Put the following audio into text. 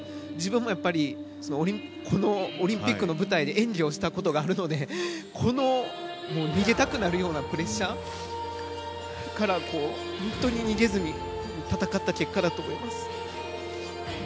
自分もこのオリンピックの舞台で演技をしたことがあるのでこの逃げたくなるようなプレッシャーから本当に逃げずに戦った結果だと思います。